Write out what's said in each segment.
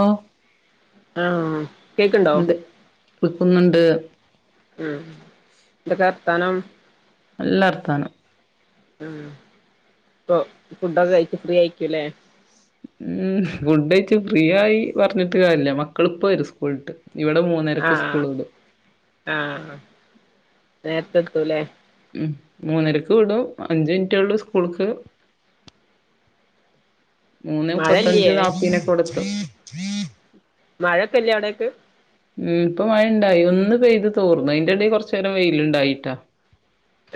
ഓഹ് ആഹ് കേക്കുണ്ടോ കേക്കുന്നുണ്ട് ഉം എന്തൊക്കെ വർത്താനം നല്ല വർത്താനം ആഹ് ഇപ്പൊ ഫുഡൊക്കെ കഴിച്ച് ഫ്രീ ആയിരിക്കൂല്ലേ ഉം ഫുഡ് കഴിച്ച് ഫ്രീ ആയി പറഞ്ഞിട്ട് കാര്യമില്ല മക്കള് ഇപ്പം വരും സ്കൂളിട്ട് ഇവിടെ മൂന്നരക്ക് ആഹ് സ്കൂള് വിടും ആഹ് നേരത്തെ എത്തൂല്ലേ ഉം മൂന്നരക്ക് വിടും അഞ്ച് മിനിറ്റേയുള്ളു സ്കൂൾക്ക് മൂന്നേ മുപ്പത്തഞ്ച് മഴല്ല്യേ നാപ്പതിനൊക്കെ ഇവിടെത്തും മഴയൊക്കെയില്ലേ അവിടേക്ക് ഉം ഇപ്പൊ മഴ ഇണ്ടായി ഒന്ന് പെയ്ത് തോർന്നു അതിന്റെ ഇടയിൽ കുറച്ച് നേരം വെയിലുണ്ടായീട്ടാ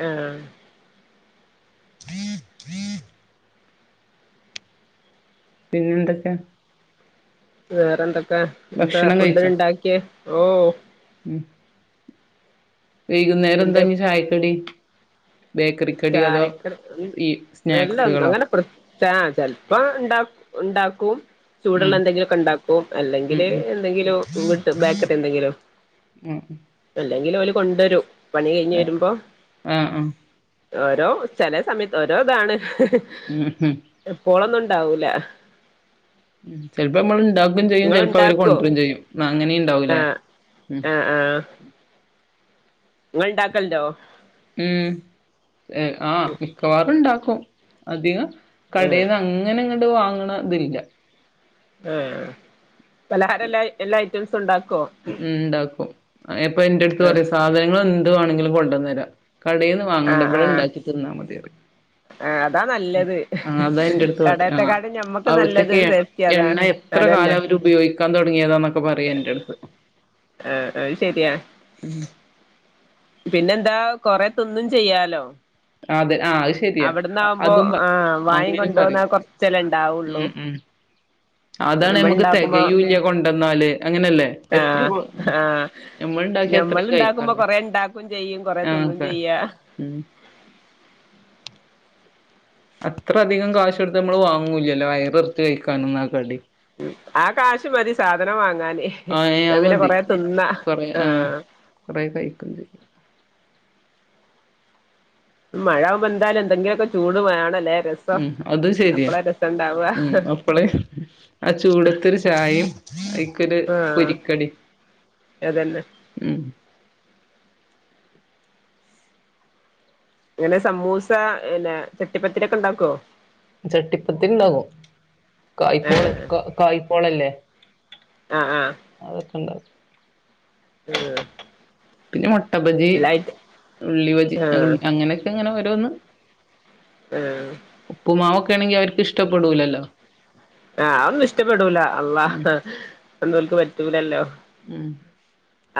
ആഹ് പിന്നെ എന്തൊക്കെ വേറെന്തൊക്കെ എന്താ ഭക്ഷണം ഫുഡ് കഴിച്ചോ ഉണ്ടാക്കിയെ ഓഹ് ഉം വൈകുന്നേരം എന്താ ഇനി ചായക്കടി ബേക്കറിക്കടിയോ അതോ ചായക്കടി ഈ ഒന്നും സ്നാക്സുകളോ [unintelligible] ആഹ് ചിലപ്പം ഇണ്ട ഇണ്ടാക്കും ഉം ചൂടുള്ള എന്തെങ്കിലുമൊക്കെ ഇണ്ടാക്കും ഉം അല്ലെങ്കില് ഉം എന്തെങ്കിലോട്ട് ബേക്കറി എന്തെങ്കിലോ ആഹ് എന്തെങ്കിലും അവല് കൊണ്ടുരും പണി കഴിഞ്ഞ് വരുമ്പോ ആഹ് ആഹ് ഉം ഓരോ ചില സമയത്ത് ഓരോ ഇതാണ് ഉം ഉം എപ്പോളൊന്നും ഇണ്ടാവൂല്ല ഉ ചൽപ്പ നമ്മള ഉണ്ടാക്കും ചെയ്യും ചെപ്പോ അവര് ഇണ്ടാക്കോ കൊണ്ടരും ചെയ്യും അങ്ങനെ ഉണ്ടാവൂലേ ആഹ് നിങ്ങ ഇണ്ടാക്കലണ്ടോ ഉം ആഹ മിക്കവാറും ഉണ്ടാക്കും അധികം ആഹ് കടയിന്ന് അങ്ങനെ ഇങ്ങട്ട വാങ്ങണ ഇതില്ല ആഹ് ണ്ടാക്ക ഉ ഉണ്ടാക്കും ഇപ്പൊ എന്റെ അടുത്ത് ആഹ് പറയാ സാധനങ്ങൾ എന്തു വേണെങ്കിലും കൊണ്ടുവന്നു തരാം കടയിൽന്ന് വാങ്ങണ്ട ആഹ് ഇവിടെ ആഹ് ഉണ്ടാക്കി തിന്നാൽ മതിയ ആഹ് അതാ നല്ലത് ആ അതാ എന്റെ അടുത്ത് ആ കടയത്തെക്കാട്ടും ഞമ്മക്ക് നല്ലത് അവിടുത്തേക്ക് സേഫ്റ്റി അതാ എണ്ണ എത്ര അതന്നെ കാലം അവര് ഉപയോഗിക്കാൻ തുടങ്ങിയതാന്നൊക്കെ പറയാ എൻറ അടുത്ത് ആഹ അത് ശെരിയാ ഉം പിന്നെന്താ കൊറ തിന്നും ചെയ്യാലോ അതെ ആഹ് അത് ശരിയാ അ- അവിടന്നാവുമ്പോ അതും പ ആ വായം അങ്ങനിം കൊണ്ട പറയും പോോന്ന കൊറച്ചല്ലാം ഇണ്ടാവുള്ളു ഉം ഉം അതാണ് നമ്മുക്ക് തികയൂല കൊണ്ടന്നാല് അങ്ങനെയല്ലേ ആഹ് എത്രള ആഹ് നമ്മൾണ്ട ഞമ്മൾ ഇണ്ടാക്കുമ്പോ കൊറെേ ഉണ്ടാക്കും ചെയ്യും കൊറെ ആഹ് തിന്നും ക ചെയ്യാ ഉം [inaudible] അത്ര അധികം കാശ് എടുത്ത് നമ്മള് വാങ്ങൂലല്ലോ വയറിറച്ച് കഴിക്കാനന്ന ആ കടി ആ കാശ് മതി സാധനം വാങ്ങ ഞ ആഹ് ഏഹ് ഞാൻ അത് പിന്നെ മതി കൊറെ തിുന്ന കൊറേ ആഹ് ആഹ കൊറേ കഴിക്കും ചെയ്യും മഴ എന്തായാലും എന്തെങ്കിലുമൊക്കെ ചൂട് വേണല്ലോ ഉം അതും ശരിയാ ഇണ്ടാവ ഉം അപ്പള്െ ആ ചൂടത്തരു ചായയും അയിക്കൊരു പൊരിക്കടി അഏതെന്നെ അങ്ങനെ സമൂസ പിന്നെ ചട്ടിപ്പത്തിര ഒക്കെ ഉണ്ടാക്കുവോ ചട്ടിപ്പത്തി ഇണ്ടകും കായ്പോള കായ്പോളല്ലേ ആഹ ആഹ അതൊക്കെ ഉണ്ടാക്കും ഉം പിന്നെ മുട്ട ബജി ഉള്ളി ബജി ഉ ആഹ് അങ്ങനെയൊക്കെ അങ്ങനെ ഓരോന്നും ആഹ ണെങ്കിൽ അവർക്ക് ഇഷ്ടപ്പെടൂലല്ലോ ആഹ ഒന്നും ഇഷ്ടപ്പെടൂല അള്ളാ ഉം എന്തുകക്ക് പറ്റൂലല്ലോ ഉം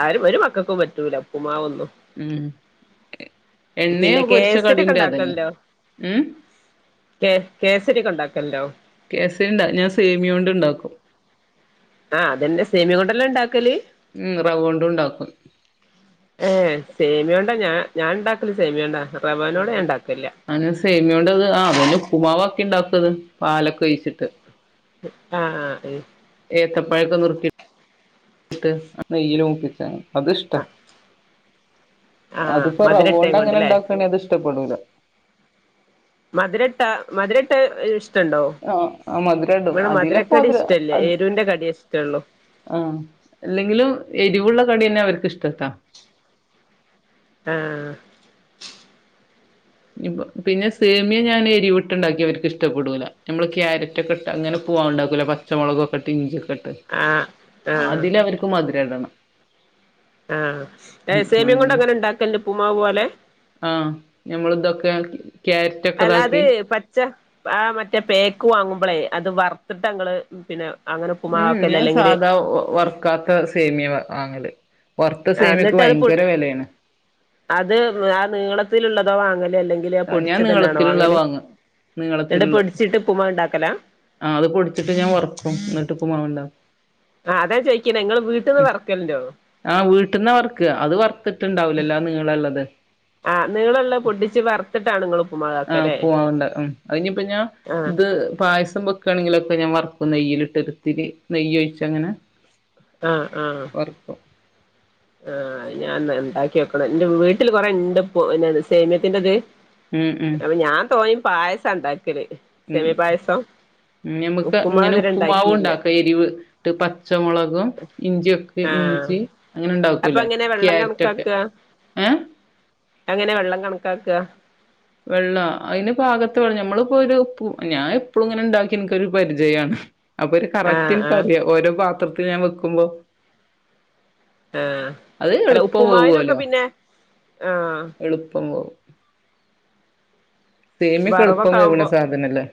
ആരും ഒരു മക്കൾക്കും പറ്റൂല ഉപ്പ് മാവൊന്നും ഉം എണ്ണയ പിന്നെ പൊരിച്ച കേസരി ഒക്കെ കടീന്റെ അതന്നെ ഉണ്ടാക്കല്ലോ ഉം കേ കേസരിൊക്കെ ഉണ്ടാക്കല്ലോ കേസ ഇണ്ടാ ഞാൻ സേമിയോണ്ട് ഇണ്ടാക്കും ആഹ് അതന്നെ സേമിിക കൊണ്ടല്ലാം ഉണ്ടാക്കല് ഉം റവ കൊണ്ട ഉണ്ടാക്കും സേമേണ്ട ഞാ ഞാൻണ്ടാക്കില്ല സേമേണ്ട അന സേമിയോണ്ടത് ആ അതന്നെ ഉപ്പുമാവക്കെ ഉണ്ടാക്കത് പാല ആഹ് ആ് തപ്പഴൊക്കെ നിർത്തി ട്ട് നെയൽ മുപ്പിച്ച അത്ഷ്ട ആഹ് ആഹ് അതിപ്പോൊ റവോണ്ട് മധുരട്ടയും അങ്ങനെ കൊണ്ടല്ലേ ഇണ്ടാക്കവാണെ അത് ഇഷ്ടപ്പെടൂല മധരെട്ട മധരെട്ട ആഹ് ആ മധുരടും അതിലൊക്കെ മധുരക്കടി മധുര ഇഷ്ടല്ല എരുവിന്റെ കടിയെ ഇഷ്ടള്ളൂ ആഹ് ഇല്ലെങ്കിലും എരിവുള്ള കടിയന്നെ അവർ [unintelligible] ആഹ് പിന്നെ സേമിയ ഞാന് എരിവിട്ടുണ്ടാക്കി അവർക്ക് ഇഷ്ടപ്പെടൂല ഞമ്മള് ക്യാരറ്റ് ഒക്കെ ഇട്ട് അങ്ങനെ ഉപ്പുമാവ്ണ്ടാക്കൂലേ പച്ചമുളകൊക്കെട്ട് ഇഞ്ചി ഒക്കെട്ട് ആഹ് ആഹ് അതില് അവർക്ക് മധുരടണം ആഹ് സേമ്യം കൊണ്ട് അങ്ങനെ ഉണ്ടാക്കല്ണ്ട് ഉപ്പ്മാവ് പോലെ നമ്മള് ഇതൊക്കെ ക്യാരറ്റ് ഒക്കെ അല്ലാത് ഇതാക്കി പച്ച ആ മറ്റേ പേക്ക് വാങ്ങുമ്പളേ അത് വറത്തിട്ട അങ്ങള് പിന്നെ അങ്ങനെ ഉം ഉപ്പുമാക്കല് ഞാൻ അല്ലെങ്കില് സാധാ വർക്കാത്ത സേമിയ വാങ്ങല് വറുത്ത ആ സേമിയക്ക് ന്നിട്ട് അത് ഭയങ്കര വിലയാണ് അത് ആ നീളത്തിലുള്ളതോ വാങ്ങല് അല്ലെങ്കില് ആ ഞാൻ പൊടിച്ചതെന്നേണോ നീളത്തിലുള്ള വാങ്ങല്. വാങ്ങ ഇങ്ങട്ട് പൊടിച്ചിട്ട് ഉപ്പ്മാവ്ണ്ടാക്കല ആഹ് അത് പൊടിച്ചിട്ട് ഞാൻ വറക്കും. ന്നിട്ട് ഉപ്പ്മാവ്ണ്ടാ ആ അതാ ചോയ്ക്ക്ണെ ഇങ്ങള് വീട്ട്ന്ന് വർക്കല്ണ്ടോ ആഹ് വീട്ട്ന്ന വർക്ക അത് വറുത്തിട്ടുണ്ടാവലല്ലോ ആ നീളളള്ളത് ആഹ് നീളള്ള പൊട്ടിച്ച് ആഹ് ഉപ്പുമാവ്ണ്ടാ ഉം അയിഞ്ഞിപ്പ ഞാൻ ആ ഇത് പായസ വെക്കാണെങ്കിലൊക്കെ ഞാൻ വറക്കും നെയ്യില്ട്ട് ഒരിത്തിരി നെയ്യ് ഒഴിച്ച് അങ്ങനെ ആഹ് ആഹ് വറക്കും ആഹ് ഞാൻന്ന ഇണ്ടാക്കിയോക്കണം. ഇന്റെ വീട്ടില് കൊറേ ഇണ്ട്പ്പൊ പിന്നെ സേമിയത്തിന്റെത് ഉം ഉം അപ്പൊ ഞാൻ തോന്നി പായസണ്ടാ സേമിയ പായസം ഞമുക്ക് ഉപ്പുമാവ് ഇങ്ങനെ ഇതുവരെ ഉണ്ടാക്കിയില്ല ഉപ്പുമാവൂണ്ടാക്ക എരിവ്ട്ട് പച്ചമുളകും ഇഞ്ചിയൊക്കെ ആഹ് ഇഞ്ചി അങ്ങനെ അപ്പൊ ഇണ്ടാക്കൂല്ലേ എങ്ങനെ വെള്ളം ക്യാരറ്റ് ഒക്കെ ഏഹ് അഎങ്ങനെ വെള്ളം കണക്കാക്ക വെള്ളോ അതിന് പാകത്ത വെള്ളം ഞമ്മളിപ്പൊ ഒരു ഉപ്പു ഞാൻ എപ്പളും ഇങ്ങനെ ഇണ്ടാക്കി ഇൻക്കൊരു പരിചയാണ് അപ്പൊ ഒരു ആഹ് ആഹ് കറക്റ്റിൻക്കറിയാ. ഓരോ പാത്രത്തിൽ ഞാൻ വെക്കുമ്പോ ആഹ് അത് അല്ല എളുപ്പം ഉപ്പുമാവിനൊക്കെ വേവോല്ലോ പിന്നെ ആഹ് എളുപ്പം വേവും സേമിയൊക്കെ എളുപ്പം വറവൊക്കെ വേവ്ണ ആകുമ്പോ സാധനല്ലേ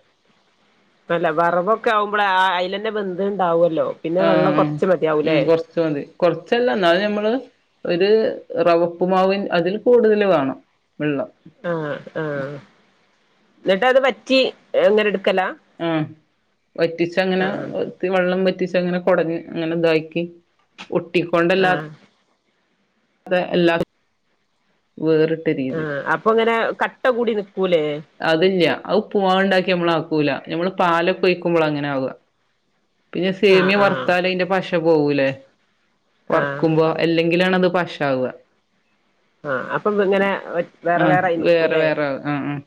അല്ല വറവൊക്കെ ആവുമ്പളെ ആ അയ് അയിലന്നെ വെന്ത്ണ്ടാവോ ആഹ് ഉം കൊറച്ച് മതി കൊറച്ചല്ലാ ഇന്നാലും ഞമ്മള് ഒര് റവ ഉപ്പുമാവി അതിൽ കൂടുതല് വേണം വെള്ളം ആഹ് ആഹ് ഇന്നിട്ട് അത് പറ്റി ഇ ങ്ങനെ ആഹ് വറ്റിച്ചങ്ങനെ ആഹ് വെള്ളംവ വറ്റിച്ചങ്ങനെ കൊടഞ്ഞ് അങ്ങനെ ഇതാക്കി ആഹ് ഒട്ടിക്കൊണ്ടല്ലാത്ത അതെ എല്ലാ ആഹ് അപ്പൊങ്ങനെ കട്ട കൂടി നി അതില്ല അത് ഉപ്പൂമാവ്ണ്ടാക്കി നമ്മള് ആക്കൂല നമ്മള് പാലൊക്കെ ഒഴിക്കുമ്പളാ അങ്ങനെ ആവ. പിന്നെ ആഹ് സേമിയ ആഹ് വറുത്താല് അയ്ന്റെ പശ പശ പോവൂലേ. ആഹ് വർക്കുമ്പൊ അല്ലെങ്കിലാണത് പശാവ ആഹ് അപ്പം ഇങ്ങനെ വേറെ ആഹ് വേറെ ആയി നിക്കുംല്ലേ വേറെ ആവ ആഹ് ആഹ്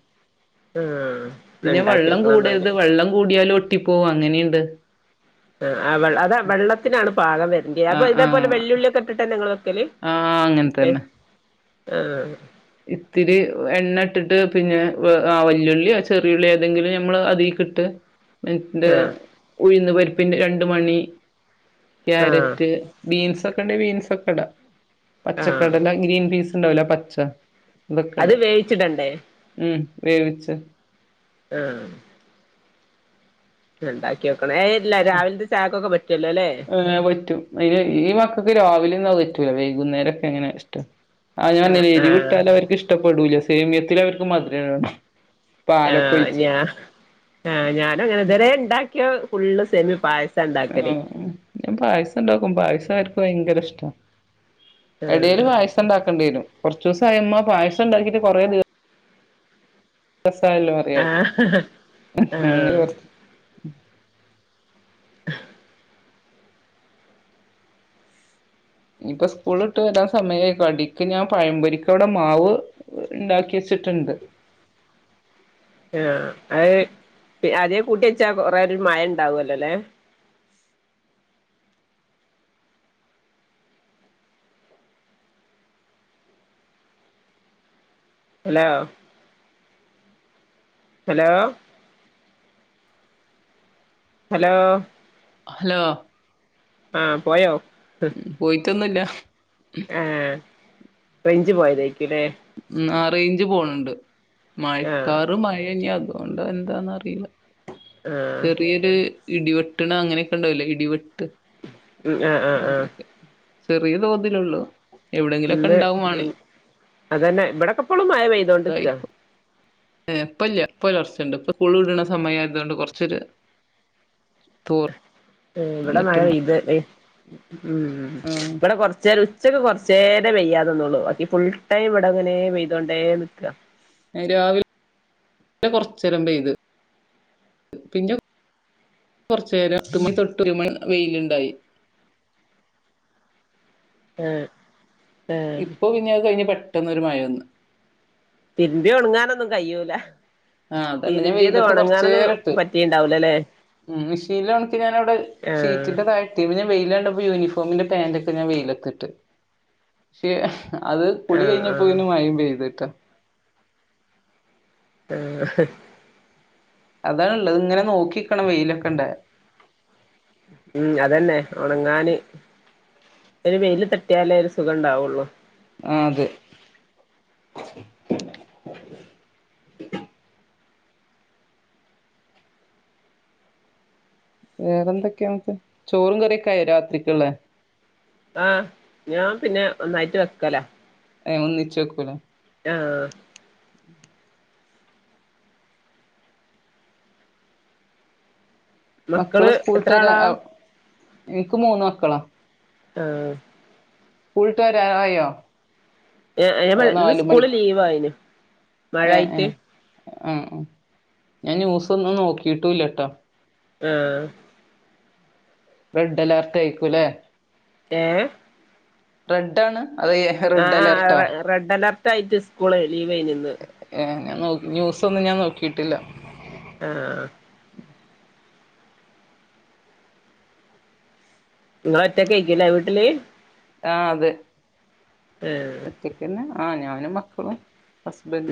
പിന്നെ വെള്ളം എന്നാല് കൂടരുത്. വെള്ളം കൂടിയാലും ഒട്ടിപ്പോകും അങ്ങനീണ്ട് ആ ആ ആ അത വെള്ളത്തിനാണ് പാകം വരണ്ടിയെ അപ്പൊ ആഹ് ഇതേപോലെ ആഹ് വെല്ല്യൊള്ളി ഒക്കെ ഇട്ടിട്ടന്നെ ഇങ്ങള് ആഹ് അങ്ങനെത്തന്നെ ആ ഇത്തിരി എണ്ണ ഇട്ടിട്ട് പിന്നെ വല്യുള്ളിയോ ചെറിയുള്ളിയോ ഏതെങ്കിലും ഞമ്മള് അതീക്കിട്ട് ആഹ് [unintelligible] ഉഴുന്ന് പരിപ്പിന്റെ രണ്ട് മണി ആഹ് ക്യാരറ്റ്, ബീൻസ് ഒക്കെ ഉണ്ടെ ബീൻസ് ഒക്കെ ഇടാം ആഹ് പച്ചക്കടല്ല, ഗ്രീൻ പീൻസ്, ഇണ്ടാവില്ലേ പച്ച അനിക്കണ അത് തൊക്കെ വേവിച്ചിടണ്ടേ ഉം വേവിച്ച്? ആ ണ്ടാക്കിനോക്ക് അല്ലേ ഏ പറ്റും ആയ്യിന് ഈ വാക്കൊക്കെ രാവിലെ [unintelligible] വൈകുന്നേരോക്കെ ഇങ്ങനെ ഇഷ്ട്ടം? ആഹ് ആഹ് [unintelligible] അവർക്ക് ഇഷ്ട്ടം പേടുല്ല സേമിയത്തില് അവർക്ക് മധുരം ഇടണം? ആ പാലൊക്കെ ഒഴിച്ച് ഞാ ആ ഞാന അങ്ങനെ തന്നെ ഉണ്ടാക്കിയ ഫുള്ള് സെമിയ പായസ ആ ഞാൻ പായസം ഉണ്ടാക്കും പായസ അവർക്ക് ഭയങ്കര ഇഷ്ട്ട? ആഹ് എടയില് പായസം ഇണ്ടാക്കേണ്ടി വരും. കുറച്ച്വസമാ പായസം ഉണ്ടാക്കിട്ട് കുറേ ദിവ- ആഹ് ആഹ് [unintelligible] [unintelligible] ഇനിയിപ്പ സ്കൂളിട്ട് വരാൻ സമയയി അടിക്ക് ഞാൻ പഴംപൊരിക്ക് അവിടെ മാവ്? ഇണ്ടാക്കി വെച്ചിട്ടുണ്ട്? [unintelligible] ആ അത് അതേ കൂട്ടി വെച്ചാ കൊറെേ ഒരു മഴ ഇണ്ടാവല്ലോല്ലെ? ഹലോ ഹലോ ഹലോ ഹലോ ആ പോയോ? പോയിട്ടൊന്നുല്ല? ഏ റേഞ്ച് പോയത് ആയിരിക്കുവല്ലേ? ഉം ആ റേഞ്ച് പോണണ്ട് ആ മഴക്കാറ് മഴ ഇന്ന്ജാകും ഉണ്ടോ എന്താന്ന അറിയില്ല ആ ചെറിയദ് ഇടിവെട്ടണ അങ്ങനൊക്കെണ്ടാവില്ല ഇടിവെട്ട് ഉം ആ ആ ആ അങ്ങനെയൊക്കെ ചെറിയ തോതിലുള്ളൂ എവിടെങ്കിലുമൊക്കെ ഇന്ന് ഉണ്ടാവുവാണേ അതന്നെ ഇവിടൊക്കെപ്പോളും മഴ പയ്യതോണ്ട് നിക്കാ. ഏ ഇപ്പൊ ഇല്ല ഇപ്പൊ ഒരു ഓലർച്ച ഇണ്ട് ഇപ്പം സ്കൂൾ വീട്ന്നാ സമയതോണ്ട് കുറചൊരു തു ഉം ഇവിടെ മഴ പെയ്യ്ത്ഉം ആ ഇവിടെ കുറച്ച നേരം ഉച്എം കൊറച്ച് ചേരപയ്യാതിരുന്നോള്ളൂ അതി ഫുൾ ടൈം ഇവിട ഇങ്ങനെ പെയ്തോണ്ടേനിക്ക രാവിലെ കൊറച്ച് നേരം പെയ്യത്? പിന്നെ ഉ കുറച്ച രം [unintelligible] വെയിലുണ്ടായി? ഏ ഇപ്പൊ പിന്നെ അത് കഴിഞ്ഞ പെട്ടെന്നൊരു മയ വന്ന്? തിരിബിയത് ഒണങ്ങാനൊന്നും കഴൂല ആ അതന്നെ വെയിലത്ത് കൊറച്ച് നേരം ഇട്ടു? പറ്റിണ്ടാവൂലല്ലേ ഉ മിഷ്യണിൽ ഒണക്കി ഞാാനവിടെ ആ ഷിറ്റിന്റെ താഴെ പിന്നെ വെയിൽ എങ്ങന്ട് പോയി [unintelligible] [unintelligible] പാന്റ് ഒക്കേ ഞാൻ വെയിലത്ത്‌ ഇട്ടു? അത് ആ കുളി ആ കഴിഞ്ഞപ്പോ പിന്നെയും മഴയും പെയ്യ്തിട്ടാ? ആഹ്‌ അതാണള്ളത് ഇങ്ങനെ നോക്കിക്കണം വെയിലൊക്കെ ഇണ്ട? ഉം അതന്നെ ഉണങ്ങാന് ഒരു വെയില് തട്ടിയാലേ ഒരു സുഖംണ്ടാവുള്ളു? ആ അത് വേറെ എന്തൊക്കെയുണ്ട് ചോറും കറിയൊക്കെ ആയ രാത്രിക്ള്ളെ ആ, ഞാൻ പിന്നെ ഒന്നായിട്ട് വെക്കലാ? [unintelligible] ആഹ ഉം മക്കള് എത്ര സ്കൂൾട്ട് ആളാ വ എനിക്ക് മൂന്ന മക്കളാ ആഹ് കൂൾട്ടാര ആയാോ ഴ ഇന്ന് സ്കൂള് ലീവായിന് ആഹ ഞാൻ ന്യൂസ ഒന്നും നോക്കിയിട്ടുംല്ലട്ടോ ആഹ റെഡ് എല്ലാർട്ട കയിക്കൂല്ലേ ഏ റെഡ ആണ് ആ ആ് റെഡ് അലർട്ട ആയിട്ട് സ്കൂള് ലീവ് നിന്ന് ഏഹ് ഞാൻ ന്യൂസൊന്നും ഞാൻ നോക്കിയിട്ടില്ല ആഹ ഇങ്ങൾ ഒറ്റക്ക കഴിക്കില്ല വീട്ടില് ആ് അത് ആഹ് ഒറ്റക്കന്ന് ആഹ് ഞാനും മക്കളും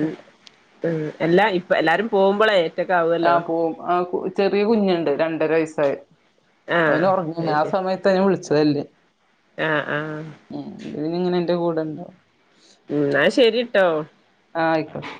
ഉം ഉ എല്ലാ ഇപ്പ എല്ലാരും പോകുമ്പോളെ ആ പോും ആ ചെറിയ കുഞ്ഞുണ്ട് രണ്ടര വയസ്സായ ആഹ് അവന് ഉറങ്ങ ആ സമയത്ത്ഞൻ വിളിച്ചതല്ലേ ആഹ ആഹ ഇതി ഇങ്ങനെ എന്റെ കൂടെണ്ടോ ഉ എന്നാ ശരിട്ടോ ആഹ ആയിക്കോട്ടെ